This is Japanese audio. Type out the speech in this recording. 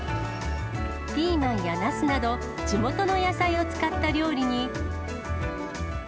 ピーマンやなすなど、地元の野菜を使った料理に。